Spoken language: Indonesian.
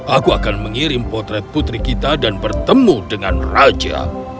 aku akan mengirim potret putri kita dan bertemu dengan raja